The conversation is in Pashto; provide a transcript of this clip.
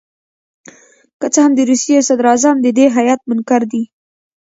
که څه هم د روسیې صدراعظم د دې هیات منکر دي.